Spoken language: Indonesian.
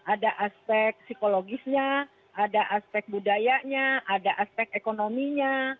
ada aspek psikologisnya ada aspek budayanya ada aspek ekonominya